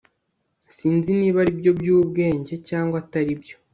Sinzi niba aribyo byubwenge cyangwa atari byo